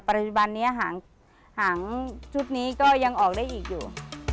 ปัจจุบันนี้หางชุดนี้ก็ยังออกได้อีกอยู่